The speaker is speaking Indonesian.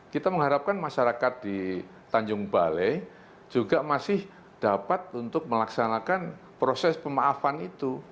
kita mengharapkan masyarakat di tanjung balai juga masih dapat untuk melaksanakan proses pemaafan itu